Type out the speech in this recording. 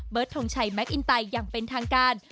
เบิร์ตทงชัยแมคอินไตยังเป็นทางการ